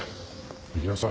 行きなさい。